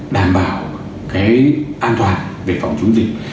đảm bảo cái an toàn về phòng chống dịch